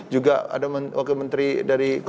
juga ada wakil menteri dari